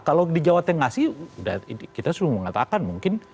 kalau di jawa tengah sih udah kita suruh mengatakan mungkin